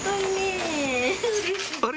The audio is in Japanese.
あれ？